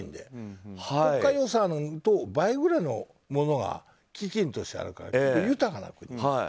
国家予算と倍くらいのものが基金としてあるからとっても豊かな国なの。